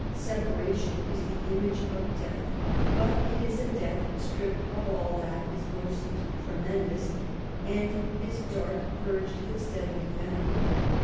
Separation is the image of death, but it is death stripped of aU that is most tremendous, and his dart purged of its deadly venom.